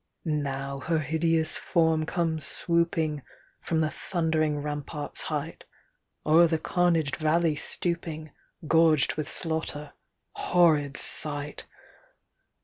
Now her hideous form comes swooping From the thundering ramparts' height, O'er the camaged valley stooping, Grorged with slaughter — ^honid sight